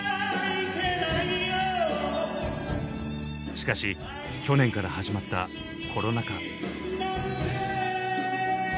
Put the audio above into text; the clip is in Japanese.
しかし去年から始まったコロナ禍。